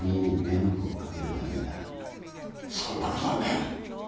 そんなことはねぇ。